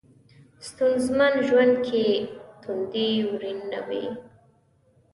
ستونځمن ژوند کې تندی ورین نه وي.